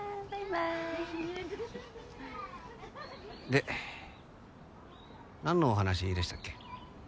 で何のお話でしたっけ？